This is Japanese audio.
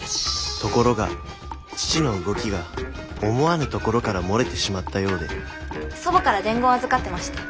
ところが父の動きが思わぬところから漏れてしまったようで祖母から伝言預かってまして。